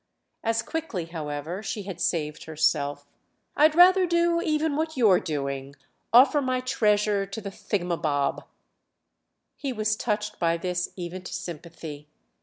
As quickly, however, she had saved herself. "I'd rather do even what you're doing—offer my treasure to the Thingumbob!" He was touched by this even to sympathy.